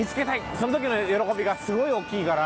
その時の喜びがすごい大きいから。